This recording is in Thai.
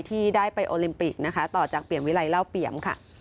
ที่ได้ไปโอลิมปิกต่อจากเปลี่ยนวิลัยเล่าเปลี่ยม